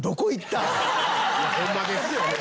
ホンマですよね。